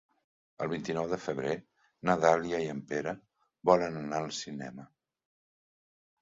El vint-i-nou de febrer na Dàlia i en Pere volen anar al cinema.